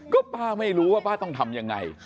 ก็ป้าไม่รู้ว่าป้าต้องทำยังไง